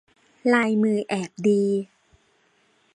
ลายมือแอบดี